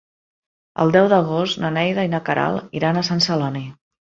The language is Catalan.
El deu d'agost na Neida i na Queralt iran a Sant Celoni.